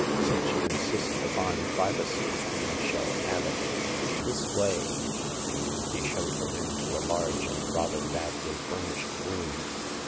" Since you insist upon privacy, you shall have it. This way." He showed her into a large and rather badly furnished room.